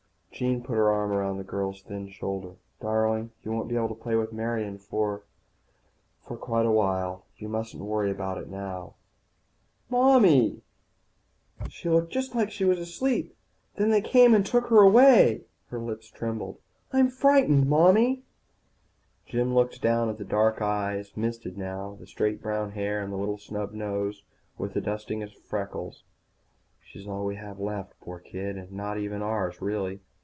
Jean put her arm around the girl's thin shoulder. "Darling, you won't be able to play with Marian for quite a while. You mustn't worry about it now." "Mommy, she looked just like she was asleep, then they came and took her away." Her lips trembled. "I'm frightened, Mommy." Jim looked down at the dark eyes, misted now, the straight brown hair, and the little snub nose with its dusting of freckles. _She's all we have left, poor kid, and not even ours, really.